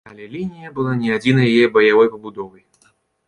Але лінія была не адзінай яе баявой пабудовай.